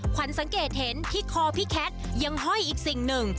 ขวัญสังเกตเห็นที่คอพี่แคทยังห้อยอีกสิ่งหนึ่ง